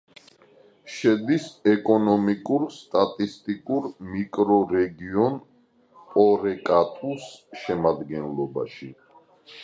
შედის ეკონომიკურ-სტატისტიკურ მიკრორეგიონ პორეკატუს შემადგენლობაში.